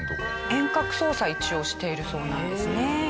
遠隔操作一応しているそうなんですね。